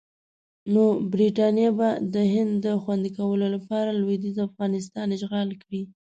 نو برټانیه به د هند د خوندي کولو لپاره لویدیځ افغانستان اشغال کړي.